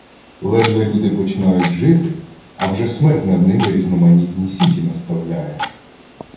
Ледве люди починають жити, а вже смерть над ними різноманітні сіті наставляє.